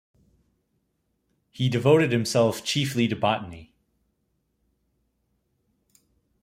He devoted himself chiefly to botany.